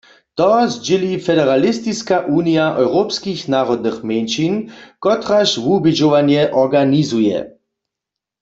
To zdźěli Federalistiska unija europskich narodnych mjeńšin, kotraž wubědźowanje organizuje.